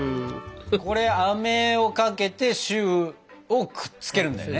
これあめをかけてシューをくっつけるんだよね。